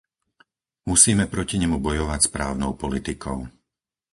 Musíme proti nemu bojovať správnou politikou.